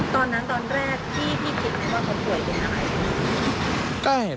ตอนนั้นตอนแรกที่พี่คิดว่าเขาป่วยอยู่ไหน